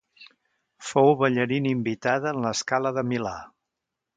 Fou ballarina invitada en La Scala de Milà.